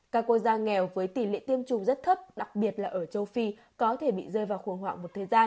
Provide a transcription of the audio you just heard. các quốc gia nghèo với tỷ lệ tiêm chủng rất thấp đặc biệt là ở châu phi có thể bị rơi vào khủng hoảng một thời gian